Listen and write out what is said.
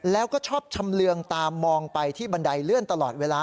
แล้วก็ชอบชำเรืองตามมองไปที่บันไดเลื่อนตลอดเวลา